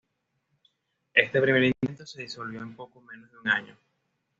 Este primer intento se disolvió en poco menos de un año.